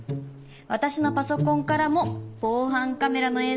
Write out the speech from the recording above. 私のパソコンからも防犯カメラの映像を確認できます。